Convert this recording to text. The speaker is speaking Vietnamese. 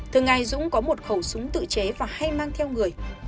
thường ngày dũng có một khẩu súng tự chế và hay mang theo người